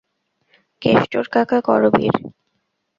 কেষ্টর কাকা করবীর।